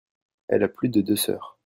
Elle a plus de deux sœurs.